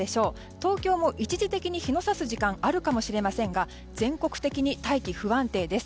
東京も一時的に日のさす時間あるかもしれませんが全国的に大気、不安定です。